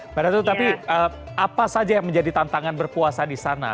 mbak datu tapi apa saja yang menjadi tantangan berpuasa di sana